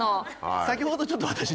先ほどちょっと私ね